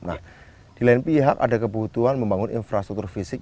nah di lain pihak ada kebutuhan membangun infrastruktur fisik